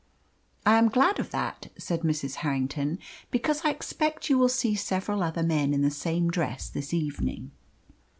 "I am glad of that," said Mrs. Harrington; "because I expect you will see several other men in the same dress this evening."